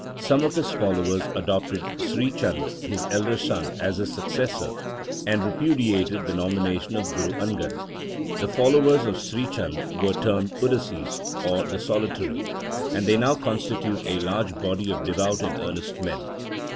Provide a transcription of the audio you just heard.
1 Some of his followers adopted Sri Chand, his elder son, as his successor, and repudiated the nomination of Guru Angad. The followers of Sri Chand were termed Udasis, or the solitary ; and they now constitute a large body of devout and earnest men.